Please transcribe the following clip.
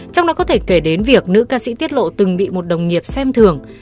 trong đó có thể kể đến việc nữ ca sĩ tiết lộ từng bị một đồng nghiệp xem thường